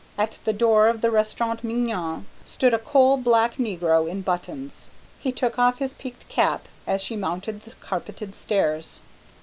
At the door of the Restaurant Mignon stood a coal black negro in buttons. He took off his peaked cap as she mounted the carpeted stairs.